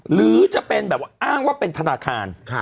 หรือจะเป็นแบบว่าอ้างว่าเป็นธนาคาร